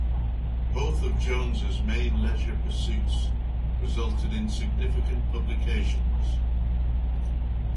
Both of Jones's main leisure pursuits resulted in significant publications.